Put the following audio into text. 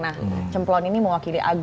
nah cemplon ini mewakili agung